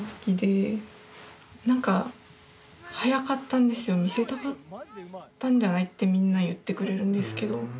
なんか見せたかったんじゃない？ってみんな言ってくれるんですけど。